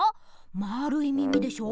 まあるいみみでしょ。